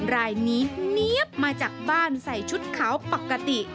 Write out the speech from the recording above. รายนี้เนี๊ยบมาจากบ้านใส่ชุดขาวปกติ